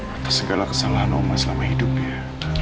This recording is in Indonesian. atas segala kesalahan oma selama hidupnya